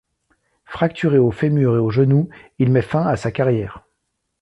Fracturé au fémur et au genou, il met fin à sa carrière.